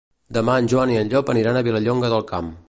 Demà en Joan i en Llop aniran a Vilallonga del Camp.